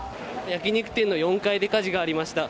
焼き肉店の４階で火事がありました。